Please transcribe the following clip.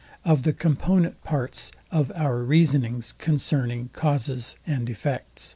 IV. OF THE COMPONENT PARTS OF OUR REASONINGS CONCERNING CAUSE AND EFFECT.